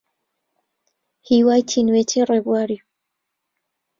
هیوای تینوێتی ڕێبواری